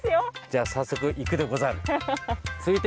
じゃあ早速行くでござる！